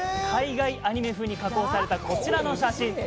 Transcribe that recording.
海外アニメ風に加工された、こちらの写真。